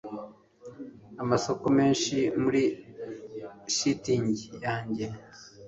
amasoko menshi muri shitingi yanjye